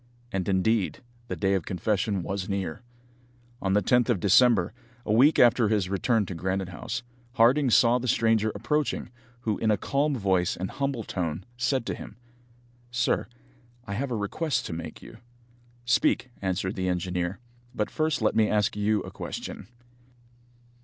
And, indeed, the day of confession was near. On the 10th of December, a week after his return to Granite House, Harding saw the stranger approaching, who, in a calm voice and humble tone, said to him: "Sir, I have a request to make you." "Speak," answered the engineer; "but first let me ask you a question."